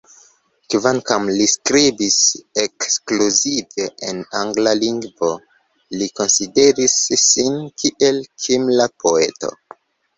Kvankam li skribis ekskluzive en angla lingvo, li konsideris sin kiel kimra poeto.